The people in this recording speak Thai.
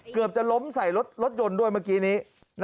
เกือบจะล้มใส่รถยนต์ด้วยเมื่อกี้นี้